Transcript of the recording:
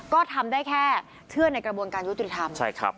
ก็ทำได้แค่เชื่อในกระบวนการยุติธรรมใช่ครับ